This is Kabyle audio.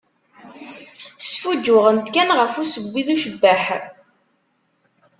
Sfuǧǧuɣent kan ɣef usewwi d ucebbeḥ.